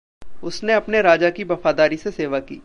उसने अपने राजा की वफ़ादारी से सेवा की।